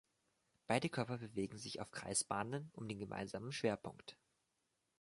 Beide Körper bewegen sich auf Kreisbahnen um den gemeinsamen Schwerpunkt.